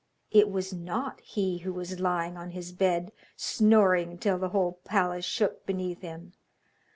It was not he who was lying on his bed snoring till the whole palace shook beneath him.